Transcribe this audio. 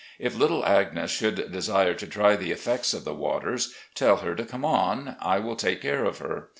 If little Agnes should desire to try the effects of the waters, tell her to come on, I will take care of her.